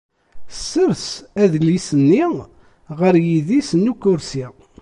Sers adlis-nni ɣer yidis n ukersi.